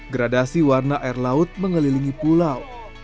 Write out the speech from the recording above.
gradasi warna air laut mengelilingi pulau